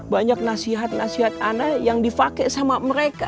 banyak nasihat nasihat saya yang dipakai oleh mereka